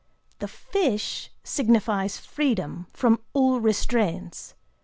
The fish signifies freedom from all restraints.